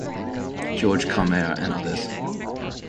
George Comer and others.